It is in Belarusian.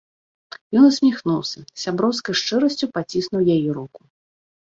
Ён усміхнуўся, з сяброўскай шчырасцю паціснуў яе руку.